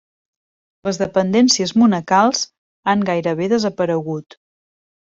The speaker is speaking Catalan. Les dependències monacals han gairebé desaparegut.